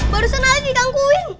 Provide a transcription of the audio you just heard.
barusan ali digangguin